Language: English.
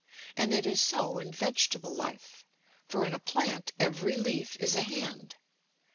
And it is so in vegetable life. For in a plant every leaf is a hand.